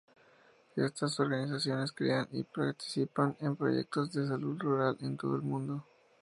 Estas organizaciones crean y participan en proyectos de salud rural en todo el mundo.